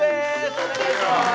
お願いします。